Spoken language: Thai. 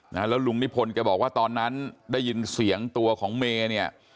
แล้วลุงนิพนธ์แกบอกว่าตอนนั้นได้ยินเสียงตัวของเมย์เนี่ย